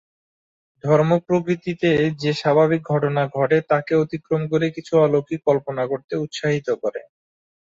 ধর্ম প্রকৃতিতে যে স্বাভাবিক ঘটনা ঘটে তাকে অতিক্রম করে কিছু অলৌকিক কল্পনা করতে উৎসাহিত করে।